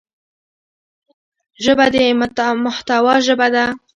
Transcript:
ژبه د محتوا ژبه ده